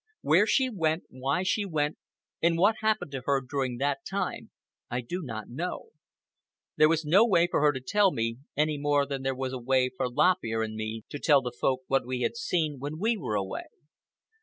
Where she went, why she went, and what happened to her during that time, I do not know. There was no way for her to tell me, any more than there was a way for Lop Ear and me to tell the Folk what we had seen when we were away.